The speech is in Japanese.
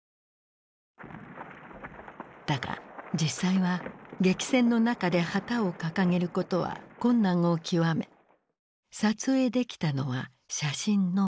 だが実際は激戦の中で旗を掲げることは困難を極め撮影できたのは写真のみ。